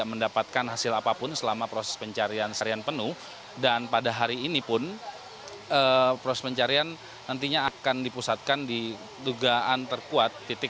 edo selamat pagi